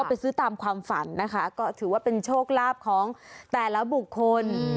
ไปซื้อตามความฝันนะคะก็ถือว่าเป็นโชคลาภของแต่ละบุคคล